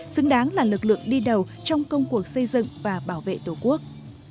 xứng đáng là lực lượng đi đầu trong công cuộc xây dựng và bảo vệ tổ quốc